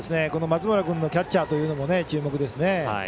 この松村君がキャッチャーというのも注目ですね。